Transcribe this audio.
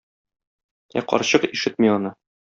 Ә карчык ишетми аны.